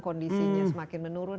kondisinya semakin menurun